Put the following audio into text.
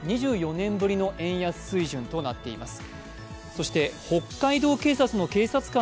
２４年ぶりの円安水準となっています。